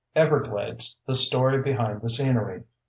_Everglades: The Story Behind the Scenery.